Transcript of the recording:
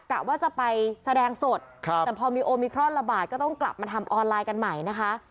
กะว่าจะไปแสดงสดแต่พอมีโอมิครอนระบาดก็ต้องกลับมาทำออนไลน์กันใหม่นะคะ